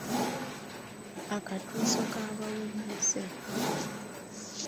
Akatuuso k’abawummuze.